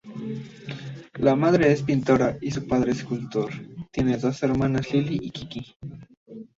La madre es pintora y su padre escultor, tiene dos hermanas Lilly y Kiki.